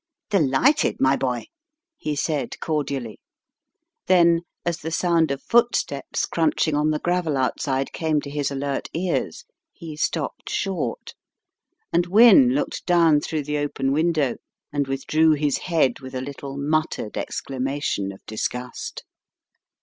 "Delighted, my boy!" he said, cordially. Then as the sound of footsteps crunching on the gravel outside came to his alert ears, he stopped short, and Wynne looked down through the open window and withdrew his head with a little muttered exclamation of disgust.